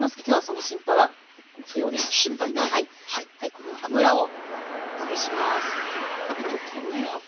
この油をまぶします。